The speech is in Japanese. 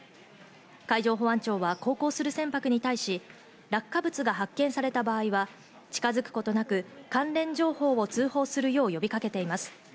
海上保安庁は航行する船舶に対し、落下物が発見された場合は近づくことなく関連情報を通報するよう呼びかけています。